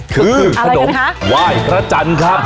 คือขนมไหว้พระจันทร์ครับ